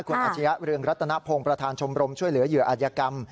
คุณอาชียะเรืองรัตนพงศ์ประธานชมรมช่วยเหลือเหยื่ออัธยกรรม